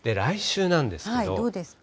どうですか？